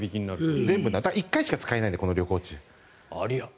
１回しか使えないのでこの旅行中。